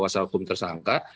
kuasa hukum tersangka